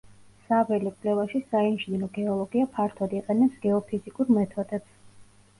საველე კვლევაში საინჟინრო გეოლოგია ფართოდ იყენებს გეოფიზიკურ მეთოდებს.